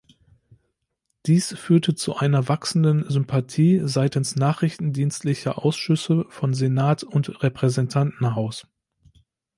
Dies führte zu einer wachsenden Sympathie seitens nachrichtendienstlicher Ausschüsse von Senat und Repräsentantenhaus.